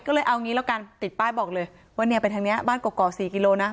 ก็เลยเอางี้แล้วกันติดป้ายบอกเลยว่าเนี่ยไปทางนี้บ้านกรอก๔กิโลนะ